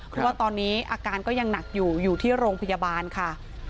เพราะว่าตอนนี้อาการก็ยังหนักอยู่อยู่ที่โรงพยาบาลค่ะ